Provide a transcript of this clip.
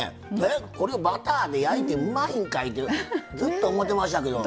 これバターで焼いてうまいんかいってずっと思ってましたけど。